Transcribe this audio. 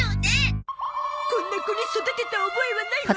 こんな子に育てた覚えはないわ。